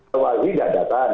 kewajiban tidak datang